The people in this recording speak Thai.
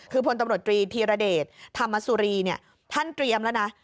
คือพลตำรวจตรีธีรเดชธรรมสุรีเนี่ยท่านเตรียมแล้วนะ